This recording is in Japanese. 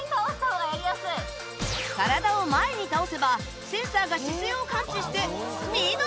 体を前に倒せばセンサーが姿勢を感知してスピードアップ！